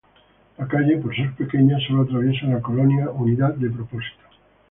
La calle por ser pequeña solo atraviesa la Colonia Unidad de Propósito